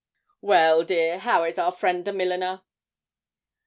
'Well, dear, how is our friend the milliner?'